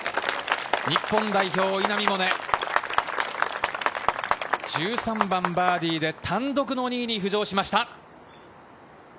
日本代表、稲見萌寧、１３番バーディーで単独の２位に浮上しました。